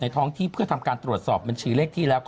ท้องที่เพื่อทำการตรวจสอบบัญชีเลขที่แล้วก็